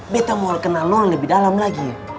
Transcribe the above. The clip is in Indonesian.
beta mau kenal nona lebih dalam lagi ya